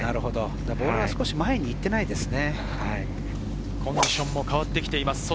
ボールが少し前に行ってないですね。